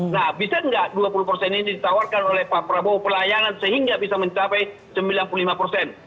nah bisa nggak dua puluh persen ini ditawarkan oleh pak prabowo pelayanan sehingga bisa mencapai sembilan puluh lima persen